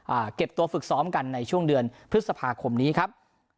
เก็บตัวฝึกซ้อมกันในช่วงเดือนพฤษภาคมนี้ครับ